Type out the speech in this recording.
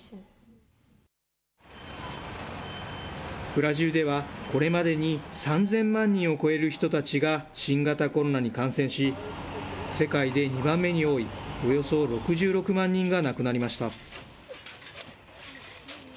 ブラジルではこれまでに３０００万人を超える人たちが新型コロナに感染し、世界で２番目に多いおよそ６６万人が亡くなりました。